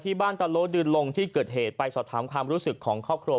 บ้านตะโลเดินลงที่เกิดเหตุไปสอบถามความรู้สึกของครอบครัว